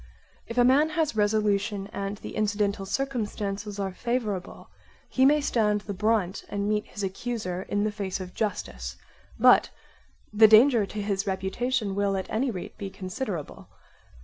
If a man has resolution and the incidental circumstances are favourable, he may stand the brunt and meet his accuser in the face of justice; but the danger to his reputation will at any rate be considerable.